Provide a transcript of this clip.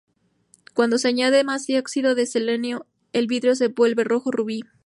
Cuando se añade más dióxido de selenio, el vidrio se vuelve rojo rubí.